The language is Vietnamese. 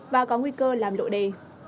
và có nguy cơ làm lộ đề